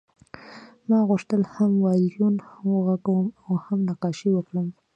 ما غوښتل هم وایلون وغږوم او هم نقاشي وکړم